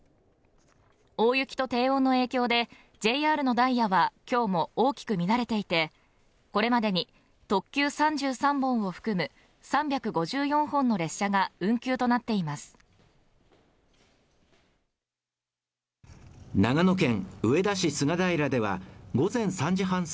大雪と低温の影響でＪＲのダイヤは今日も大きく乱れていてこれまでに特急３３本を含む３５４本の列車が運休となっています